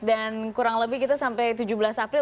dan kurang lebih kita sampai tujuh belas april